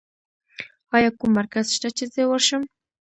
ایا کوم مرکز شته چې زه ورشم؟